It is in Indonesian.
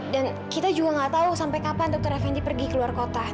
dan kita juga nggak tahu sampai kapan dr effendi pergi keluar kota